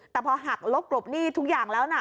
แต่พอหักลบกลบหนี้ทุกอย่างแล้วนะ